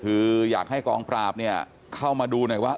เพื่อให้กองปราบเข้ามาดูหน่อยว่า